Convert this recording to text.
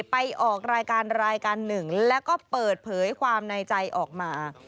ไปออกรายการรายการหนึ่งแล้วก็เปิดเผยความในใจออกมา